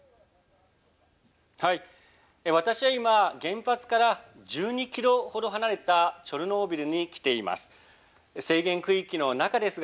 はい、私は今原発から１２キロほど離れたチョルノービリに来ています。